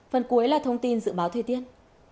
phần cuối là thông tin dự báo thuê tiên